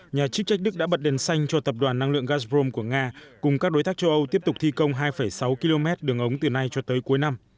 nhà chức trách đức đã bật đèn xanh cho tập đoàn năng lượng gazprom của nga cùng các đối tác châu âu tiếp tục thi công hai sáu km đường ống từ nay cho tới cuối năm